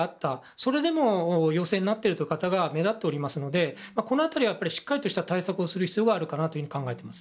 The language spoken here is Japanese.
それでも陽性になっている方が目立っていますのでこの辺りはしっかりとした対策をする必要があるかと考えています。